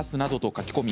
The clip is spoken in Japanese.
書き込み